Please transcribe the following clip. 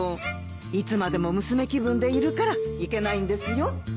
いつまでも娘気分でいるからいけないんですよ。